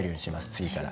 次から。